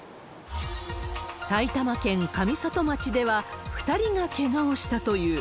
埼玉県上里町では、２人がけがをしたという。